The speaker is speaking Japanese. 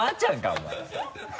お前。